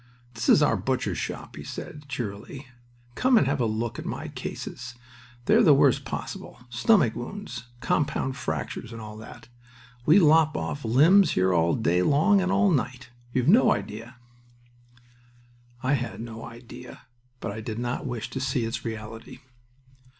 "This is our Butcher's Shop," he said, cheerily. "Come and have a look at my cases. They're the worst possible; stomach wounds, compound fractures, and all that. We lop off limbs here all day long, and all night. You've no idea!" I had no idea, but I did not wish to see its reality.